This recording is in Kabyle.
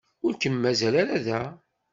Ur kem-mazal ara da.